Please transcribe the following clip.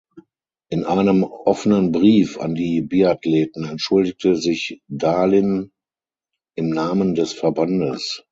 In einem offenen Brief an die Biathleten entschuldigte sich Dahlin im Namen des Verbandes.